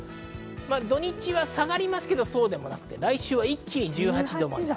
土日は下がりますが、そうでもなく、来週は一気に１８度まで。